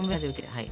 はい。